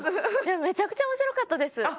めちゃくちゃ面白かったです。